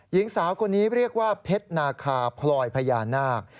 หญิงสาวคนนี้เรียกว่าเพชรนาคาพลอยพญานาค